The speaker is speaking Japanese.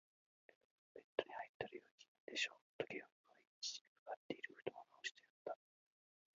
「ベッドに入ったら、もうよい気分でしょう？」と、ゲオルクは言い、父にかかっているふとんをなおしてやった。